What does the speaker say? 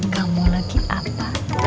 kamu lagi apa